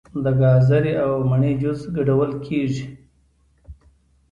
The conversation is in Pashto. د ګازرې او مڼې جوس ګډول کیږي.